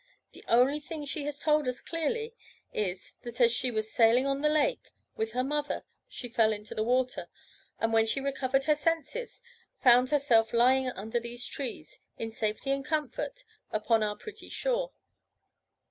The only thing she has told us clearly, is, that as she was sailing on the lake with her mother, she fell into the water, and when she recovered her senses found herself lying under these trees, in safety and comfort, upon our pretty shore.